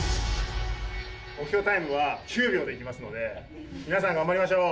目標タイムは９秒でいきますので皆さん頑張りましょう。